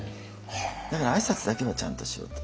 だから挨拶だけはちゃんとしようと思って。